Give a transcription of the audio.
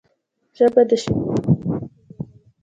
ژبه د شعري احساساتو ژبه ده